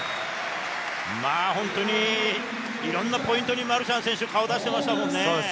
本当にいろんなポイントにマルシャン選手、顔を出していましたよね。